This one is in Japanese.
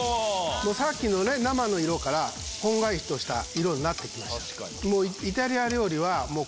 さっきの生の色からこんがりとした色になってきた。